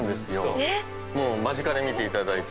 もう間近で見ていただいて。